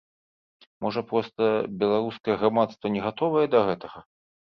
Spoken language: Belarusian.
Можа, проста беларускае грамадства не гатовае да гэтага?